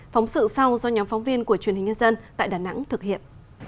phóng sự sau do nhóm phóng viên của truyền hình nhân dân tại đà nẵng thực hiện